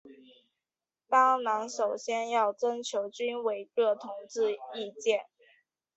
当然首先要征求军委各同志意见。